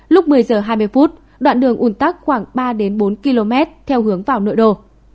lúc một mươi h hai mươi đoạn đường ủn tắc khoảng ba bốn km theo hướng vào nội đô